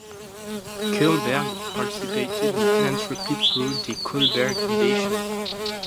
Kohlberg participated in philanthropy through the Kohlberg Foundation.